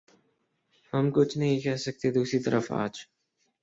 ہم کچھ نہیں کہہ سکتے دوسری طرف آج